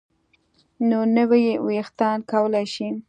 نو نوي ویښتان کولی شي